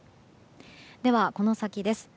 では、この先です。